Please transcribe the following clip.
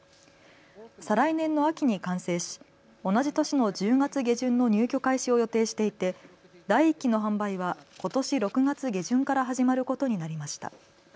再来年の秋に完成し同じ年の１０月下旬の入居開始を予定していて第１期の販売はことし６月下旬から始まることになりました。